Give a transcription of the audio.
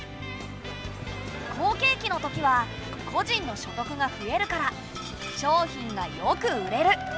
好景気のときは個人の所得が増えるから商品がよく売れる。